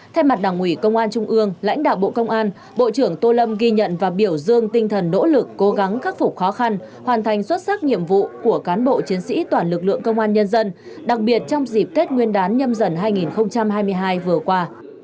thay mặt đảng ủy công an trung ương lãnh đạo bộ công an bộ trưởng tô lâm ghi nhận và biểu dương tinh thần nỗ lực cố gắng khắc phục khó khăn hoàn thành xuất sắc nhiệm vụ của cán bộ chiến sĩ toàn lực lượng công an nhân dân đặc biệt trong dịp tết nguyên đán nhâm dần hai nghìn hai mươi hai vừa qua